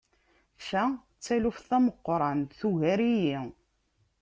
Ta d taluft tameqqrant! Tugar-iyi.